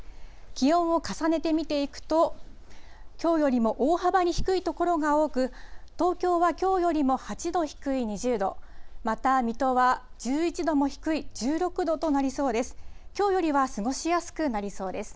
気温を重ねて見ていくと、きょうよりも大幅に低い所が多く、東京はきょうよりも８度低い２０度、また水戸は１１度も低い１６度となりそうです。